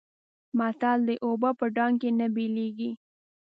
متل دی: اوبه په ډانګ نه بېلېږي.